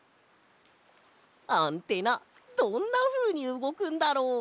アンテナどんなふうにうごくんだろう？